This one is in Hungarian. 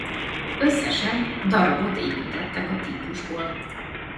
Összesen darabot építettek a típusból.